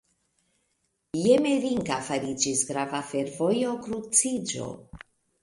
Jmerinka fariĝis grava fervoja kruciĝo.